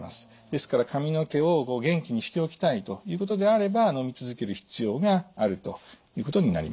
ですから髪の毛を元気にしておきたいということであればのみ続ける必要があるということになります。